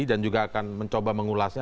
dan juga akan mencoba mengulasnya